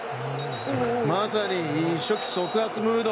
まさに一触即発ムード！